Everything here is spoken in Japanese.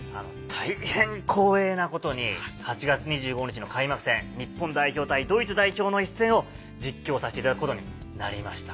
大変光栄なことに８月２５日の開幕戦日本代表対ドイツ代表の一戦を実況させていただくことになりました。